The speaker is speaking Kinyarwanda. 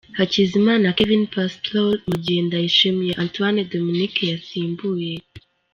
Hakizimana Kevin Pastole mu gihe Ndayishimiye Antoine Dominique yasimbuye